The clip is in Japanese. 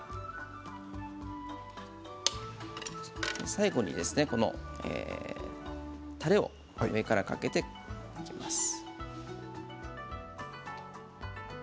最後にたれを上からかけていきます。